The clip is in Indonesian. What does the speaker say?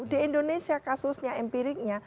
di indonesia kasusnya empiriknya